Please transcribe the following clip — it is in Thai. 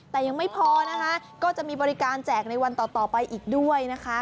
แต่ยังไม่พอนะคะก็จะมีบริการแจกในวันต่อไปอีกด้วยนะคะ